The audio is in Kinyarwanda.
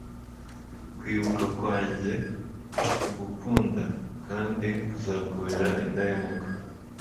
Kwibuka kwanjye kugukunda kandi kuzakubera indahemuka